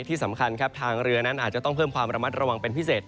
ที่สำคัญครับทางเรือนั้นอาจจะต้องเพิ่มความระมัดระวังเป็นพิเศษ